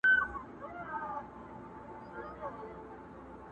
د پاچا په زړه کي ځای یې وو نیولی٫